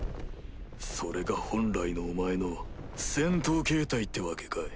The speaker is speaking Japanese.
それが本来のお前の戦闘形態ってわけかい。